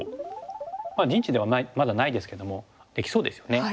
まあ陣地ではまだないですけどもできそうですよね。